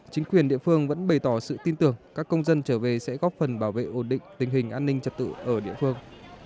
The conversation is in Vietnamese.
chính quyền địa phương vẫn bày tỏ sự tin tưởng các công dân trở về sẽ góp phần bảo vệ ổn định tình hình an ninh trật tự ở địa phương